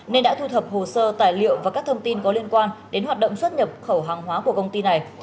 nên đã thu thập hồ sơ tài liệu và các thông tin có liên quan đến hoạt động xuất nhập khẩu hàng hóa của công ty này